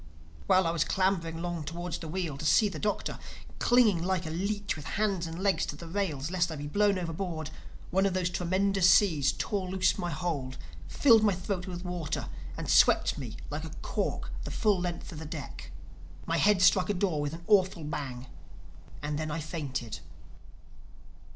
While I was clambering along towards the wheel to see the Doctor, clinging like a leech with hands and legs to the rails lest I be blown overboard, one of these tremendous seas tore loose my hold, filled my throat with water and swept me like a cork the full length of the deck. My head struck a door with an awful bang. And then I fainted.